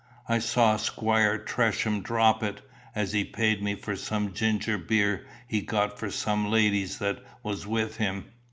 "I saw Squire Tresham drop it, as he paid me for some ginger beer he got for some ladies that was with him.